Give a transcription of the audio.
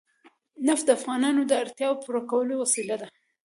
نفت د افغانانو د اړتیاوو د پوره کولو وسیله ده.